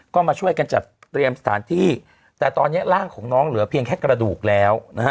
ก็มาช่วยกันจัดเตรียมสถานที่แต่ตอนนี้ร่างของน้องเหลือเพียงแค่กระดูกแล้วนะฮะ